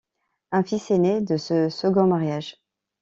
Un fils est né de ce second mariage.